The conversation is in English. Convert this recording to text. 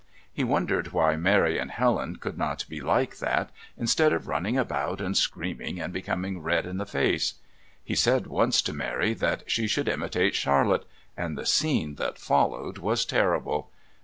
He wondered why Mary and Helen could not be like that, instead of running about and screaming and becoming red in the face. He said once to Mary that she should imitate Charlotte, and the scene that followed was terrible.